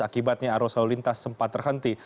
akibatnya arus lalu lintas sempat terhenti